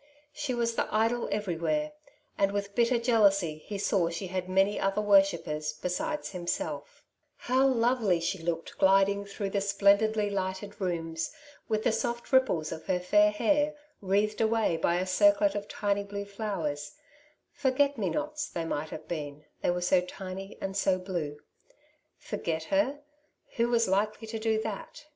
She was the idol everywhere, and with bitter jealousy he saw she had many other worship pers besides himself. Arthur Delta's Side of the Question, 7 1 How lovely she looked gliding through the splon didly lighted rooms, with the soft ripples of her fair hair wreathed away by a circlet of tiny blue flowers —'' Forget me nots ^^ they might have been, they were so tiny and so blue. '•Forget her? Who was likely to do that?''